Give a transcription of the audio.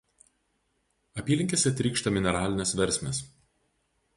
Apylinkėse trykšta mineralinės versmės.